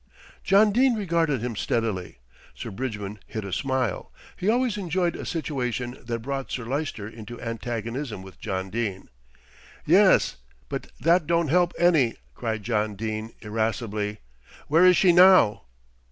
John Dene regarded him steadily. Sir Bridgman hid a smile, he always enjoyed a situation that brought Sir Lyster into antagonism with John Dene. "Yes; but that don't help any," cried John Dene irascibly. "Where is she now?"